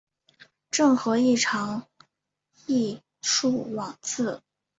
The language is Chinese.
郑和亦尝裔敕往赐。